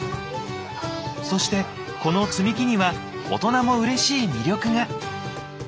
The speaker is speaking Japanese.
そしてこの積み木には大人もうれしい魅力が。